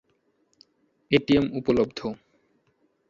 ATM উপলব্ধ